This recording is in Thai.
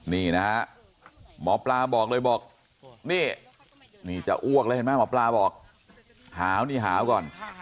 นี่นะฮะหมอปลาบอกเลยบอกนี่นี่จะอ้วกแล้วเห็นไหมหมอปลาบอกหาวนี่หาวก่อน